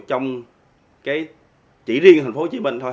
trong chỉ riêng thành phố hồ chí minh thôi